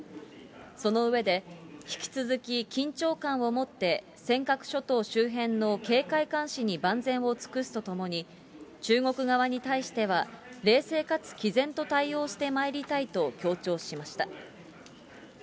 その上で、引き続き緊張感を持って、尖閣諸島周辺の警戒監視に万全を尽くすとともに、中国側に対しては、冷静かつきぜんと対応してまいりたいと強調しました。